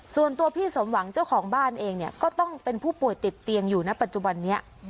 ส่วนตัวพี่สมหวังเจ้าของบ้านเองเนี่ยก็ต้องเป็นผู้ป่วยติดเตียงอยู่นะปัจจุบันนี้